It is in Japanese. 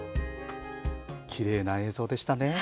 きれいな映像でしたね。